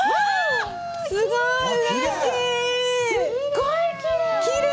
すごいきれい！